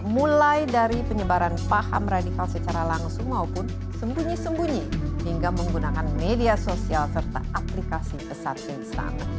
mulai dari penyebaran paham radikal secara langsung maupun sembunyi sembunyi hingga menggunakan media sosial serta aplikasi pesan instan